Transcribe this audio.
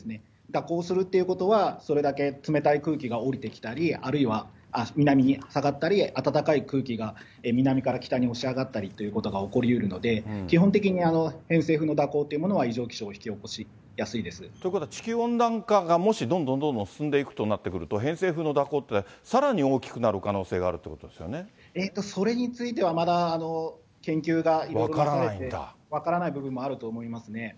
蛇行するっていうことは、それだけ冷たい空気が下りてきたり、あるいは南に下がったり、暖かい空気が南から北に押し上がったりということが起こりうるので、基本的に偏西風の蛇行っていうものは異常気象を引き起こしやということは、地球温暖化がもしどんどんどんどん進んでいくということになると、偏西風の蛇行っていうのはさらに大きく鳴る可能性があるというこそれについてはまだ研究がいろいろなされて、分からない部分もあると思いますね。